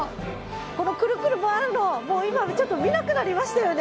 このくるくる回るの、今ちょっと見なくなりましたよね。